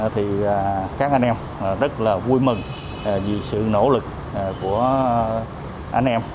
thì các anh em rất là vui mừng vì sự nỗ lực của anh em